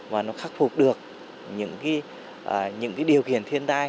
và nó khắc phục được những cái điều kiện này